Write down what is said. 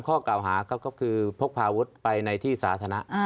ข้อกล่าวหาครับก็คือพกพาวุฒิไปในที่สาธารณะ